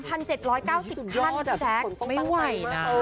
๓๗๙๐ขั้นพี่แจ๊กไม่ไหวนะ